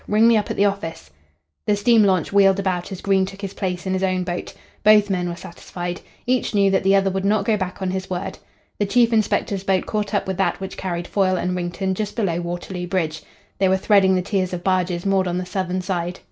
Ring me up at the office." The steam launch wheeled about as Green took his place in his own boat. Both men were satisfied. Each knew that the other would not go back on his word. The chief inspector's boat caught up with that which carried Foyle and Wrington just below Waterloo Bridge. They were threading the tiers of barges moored on the southern side.